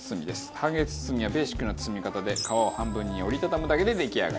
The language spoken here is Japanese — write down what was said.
半月包みはベーシックな包み方で皮を半分に折り畳むだけで出来上がります。